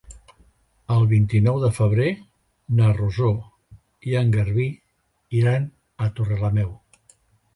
El vint-i-nou de febrer na Rosó i en Garbí iran a Torrelameu.